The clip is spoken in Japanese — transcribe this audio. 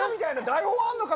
台本あるのか？